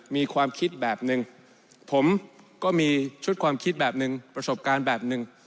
มีความคิดแบบหนึ่งผมก็มีชุดความคิดแบบหนึ่งประสบการณ์แบบหนึ่ง